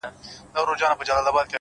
ورته وگورې په مــــــيـــنـــه،